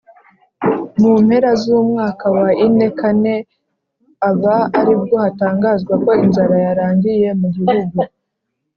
Mu mpera z’umwaka wa ine kane, aba aribwo hatangazwa ko inzara yarangiye mu gihugu.